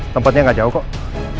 tempatnya gak jauh kok